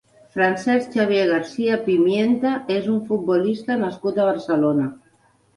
Francesc Xavier Garcia Pimienta és un futbolista nascut a Barcelona.